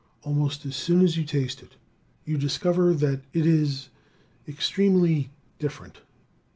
Almost as soon as you taste it you discover that it is extremely different.